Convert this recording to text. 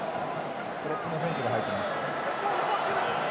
プロップの選手が入っています。